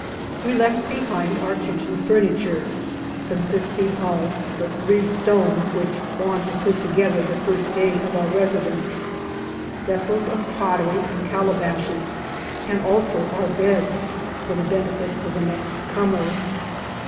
We left behind our kitchen furniture, consisting of the three stones which Juan put together the first day of our residence, vessels of pottery and calabashes, and also our beds, for the benefit of the next comer.